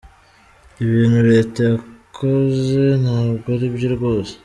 Ibi bintu Leta yakoze ntabwo aribyo rwose.